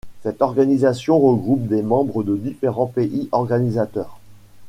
Cette organisation regroupe des membres de différents pays organisateurs.